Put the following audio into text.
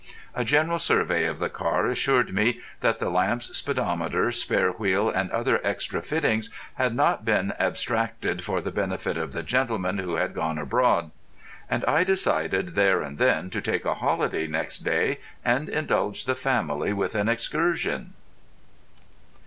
A general survey of the car assured me that the lamps, speedometer, spare wheel, and other extra fittings had not been abstracted for the benefit of the gentleman who had gone abroad; and I decided there and then to take a holiday next day and indulge the family with an excursion.